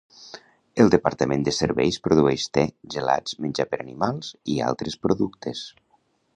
El departament de serveis produeix te, gelats, menjar per animals, i altres productes.